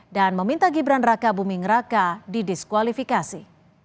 dan meminta gibran raka buming raka didiskualifikasi